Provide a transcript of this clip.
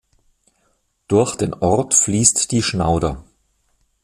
Durch den Ort fließt die Schnauder.